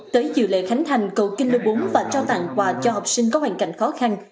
tới dự lễ khánh thành cầu kinh lô bốn và trao tặng quà cho học sinh có hoàn cảnh khó khăn